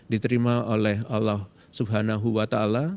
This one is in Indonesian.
diterima oleh allah swt